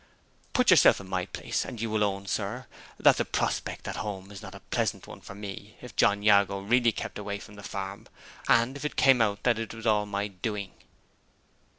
Put yourself in my place, and you will own, sir, that the prospect at home was not a pleasant one for me, if John Jago really kept away from the farm, and if it came out that it was all my doing."